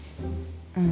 うん。